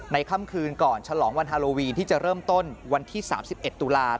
ค่ำคืนก่อนฉลองวันฮาโลวีนที่จะเริ่มต้นวันที่๓๑ตุลาคม